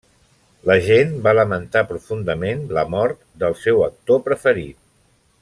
La gent va lamentar profundament la mort del seu actor preferit.